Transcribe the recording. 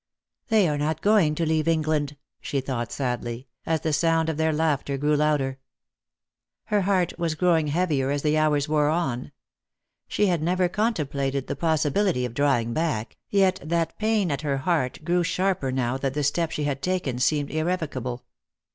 " They are not going to leave England," she thought sadly, as the sound of their laughter grew louder. Her heart was growing heavier as the hours wore on. She had never contemplated the possibility of drawing back, yet that pain at her heart grew sharper now that the step she had taken seemed irrevocable.